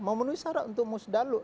memenuhi syarat untuk musdaluk